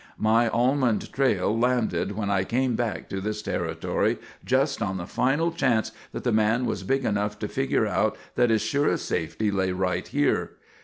My almond trail landed when I came back to this territory just on the final chance that the man was big enough to figure out that his surest safety lay right here.